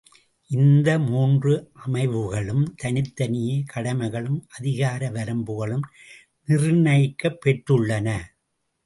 இந்த மூன்று அமைவுகளுக்கும் தனித்தனியே கடமைகளும், அதிகார வரம்புகளும் நிர்ணயிக்கப் பெற்றுள்ளன.